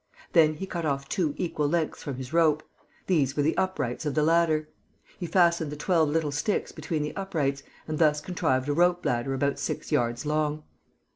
Then he cut off two equal lengths from his rope. These were the uprights of the ladder. He fastened the twelve little sticks between the uprights and thus contrived a rope ladder about six yards long.